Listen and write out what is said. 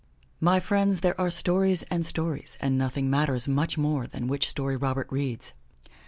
'' My friends, there are stories and stories and nothing matters much more than which story Robert reads.